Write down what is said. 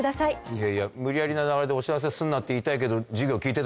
いやいや無理やりな流れでお知らせすんなって言いたいけど。